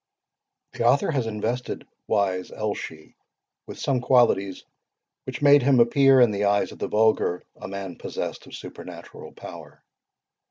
The author has invested Wise Elshie with some qualities which made him appear, in the eyes of the vulgar, a man possessed of supernatural power.